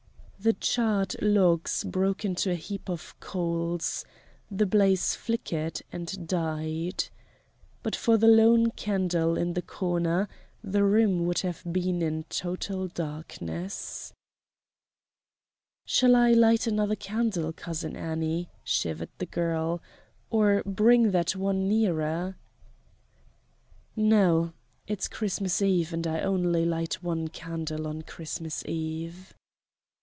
The charred logs broke into a heap of coals; the blaze flickered and died. But for the lone candle in the corner the room would have been in total darkness. "Shall I light another candle, Cousin Annie?" shivered the girl, "or bring that one nearer?" "No, it's Christmas Eve, and I only light one candle on Christmas Eve."